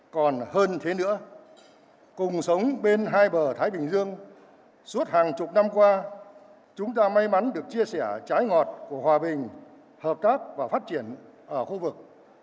còn hơn thế nữa cùng sống bên hai bờ thái bình dương suốt hàng chục năm qua chúng ta may mắn được chia sẻ trái ngọt của hòa bình hợp tác và phát triển ở khu vực